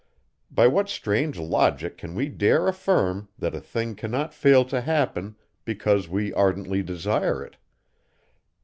By what strange logic can we dare affirm, that a thing cannot fail to happen, because we ardently desire it?